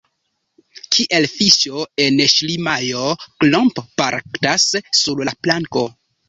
Kiel fiŝo en ŝlimajo Klomp baraktas sur la planko.